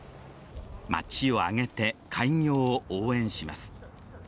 まちを挙げて開業を応援します。